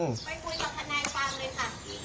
ไปคุยกับทนายความเลยค่ะ